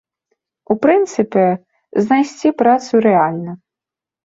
У прынцыпе, знайсці працу рэальна.